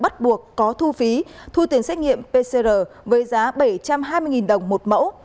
cuộc có thu phí thu tiền xét nghiệm pcr với giá bảy trăm hai mươi đồng một mẫu